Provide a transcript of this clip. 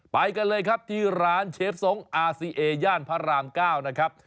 ไปกันเลยครับที่ร้านเชฟทรงอาซีเอย่านพระราม๙นะครับ